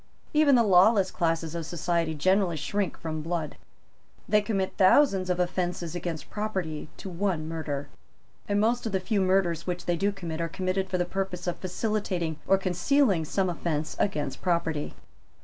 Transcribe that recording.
Even the lawless classes of society generally shrink from blood. They commit thousands of offences against property to one murder; and most of the few murders which they do commit are committed for the purpose of facilitating or concealing some offence against property.